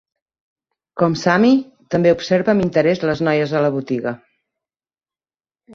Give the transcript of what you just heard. Com Sammy, també observa amb interès les noies a la botiga.